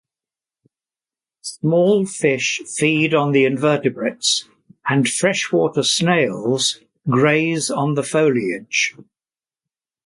Small fish feed on the invertebrates and freshwater snails graze on the foliage.